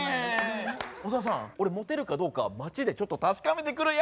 小沢さん俺モテるかどうか街でちょっと確かめてくるよ。